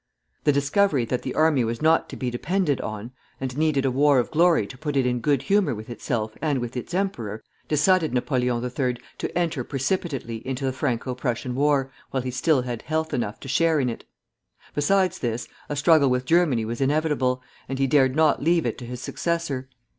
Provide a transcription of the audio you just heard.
The discovery that the army was not to be depended on, and needed a war of glory to put it in good humor with itself and with its emperor, decided Napoleon III. to enter precipitately into the Franco Prussian war while he still had health enough to share in it. Besides this, a struggle with Germany was inevitable, and he dared not leave it to his successor.